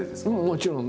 もちろん。